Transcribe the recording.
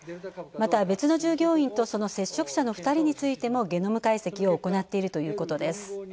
また、別の従業員と、その接触者の２人についてもゲノム解析を行っているということです。